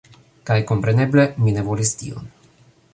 Kaj kompreneble, mi ne volis tion.